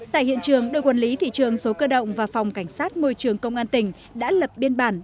tại hiện trường đội quản lý thị trường số cơ động và phòng cảnh sát môi trường công an tỉnh đã lập biên bản